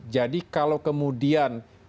jadi kalau kemudian